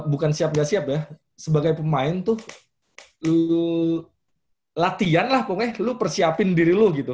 bukan siap ga siap ya sebagai pemain tuh latihan lah pokoknya lo persiapin diri lo gitu